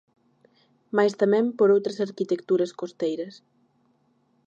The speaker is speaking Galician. Mais tamén por outras arquitecturas costeiras.